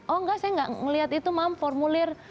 oh nggak saya nggak melihat itu mam formulir